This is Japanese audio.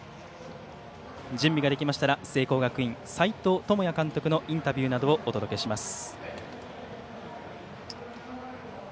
準備ができましたら聖光学院の斎藤智也監督などのインタビューなどをお届けします。